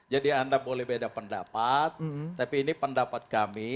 jadi anda boleh beda pendapat tapi ini pendapat kami